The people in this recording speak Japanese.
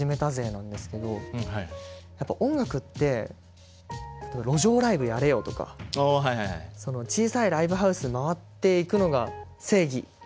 なんですけどやっぱ音楽って「路上ライブやれよ」とか「小さいライブハウス回っていくのが正義」みたいなあれがあったんですよ。